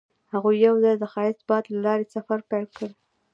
هغوی یوځای د ښایسته باد له لارې سفر پیل کړ.